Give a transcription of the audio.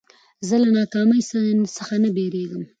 زه له ناکامۍ څخه نه بېرېږم.